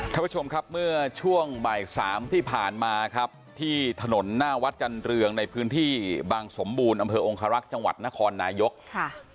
ท่านผู้ชมครับเมื่อช่วงบ่ายสามที่ผ่านมาครับที่ถนนหน้าวัดจันเรืองในพื้นที่บางสมบูรณ์อำเภอองคารักษ์จังหวัดนครนายกค่ะ